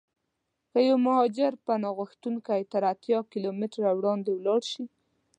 که یو مهاجر پناه غوښتونکی تر اتیا کیلومترو وړاندې ولاړشي.